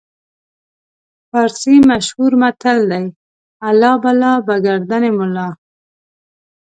فارسي مشهور متل دی: الله بلا به ګردن ملا.